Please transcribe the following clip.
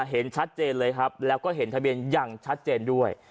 เห็นชัดเจนเลยครับแล้วก็เห็นทะเบียนอย่างชัดเจนด้วย